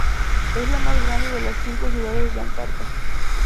Es las más grande de las cinco ciudades de Yakarta.